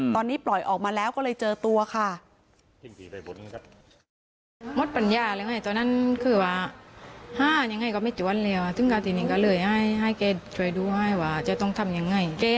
ตอนนี้ปล่อยออกมาแล้วก็เลยเจอตัวค่ะ